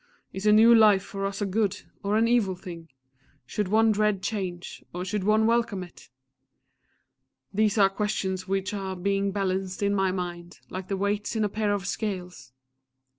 Is a new life for us a good, or an evil thing? Should one dread change, or should one welcome it? These are questions which are being balanced in my mind, like the weights in a pair of scales!